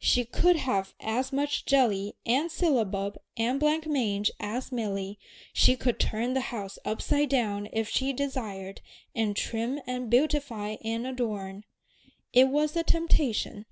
She could have as much jelly and syllabub and blanc mange as Milly, she could turn the house upside down if she desired, and trim and beautify and adorn. It was a temptation.